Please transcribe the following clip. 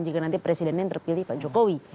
jika nanti presidennya yang terpilih pak jokowi